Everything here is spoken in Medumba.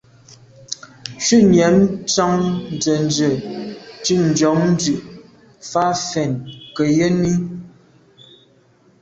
Shutnyàm tshan nzenze ntùm njon dù’ fa fèn ke yen i.